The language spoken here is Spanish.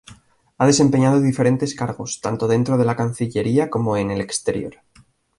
Ha desempeñado diferentes cargos, tanto dentro de la Cancillería como en el exterior.